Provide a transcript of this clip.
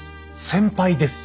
先輩です。